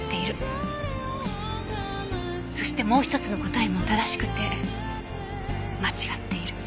そしてもう一つの答えも正しくて間違っている。